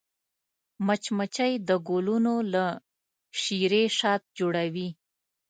مچمچۍ د ګلونو له شيرې شات جوړوي